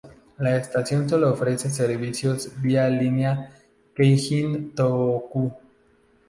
La estación sólo ofrece servicios vía Línea Keihin-Tōhoku.